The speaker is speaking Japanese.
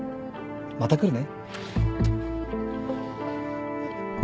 また来るね。